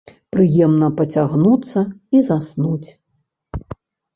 Прыемна пацягнуцца і заснуць.